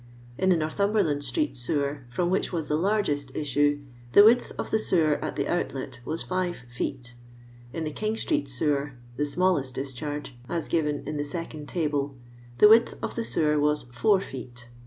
In the Northumber land street sewer, from which was the largest issue, the width of the sewer at the outlet was five £eet In the King street sewer (the smallest discharge, as gives in the second table) the width of Uie sewer was four feet.